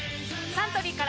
サントリーから